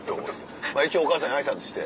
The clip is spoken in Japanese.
一応お母さんに挨拶して。